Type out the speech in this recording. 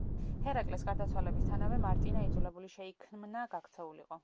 ჰერაკლეს გარდაცვალებისთანავე მარტინა იძულებული შეიქმნა გაქცეულიყო.